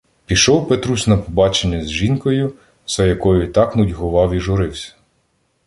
Пішов Петрусь на побачення з жінкою, за якою так нудьгував і журився.